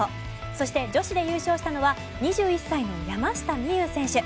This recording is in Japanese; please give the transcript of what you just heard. そして女子で優勝したのは２１歳の山下美夢有選手。